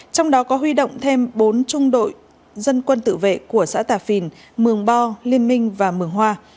trong đó có huy động thêm bốn trung đội dân quân tự vệ của xã tà phìn mường bo liên minh và mường hoa